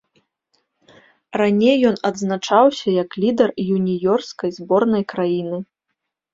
Раней ён адзначаўся як лідар юніёрскай зборнай краіны.